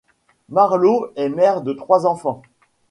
Marlo est mère de trois enfants.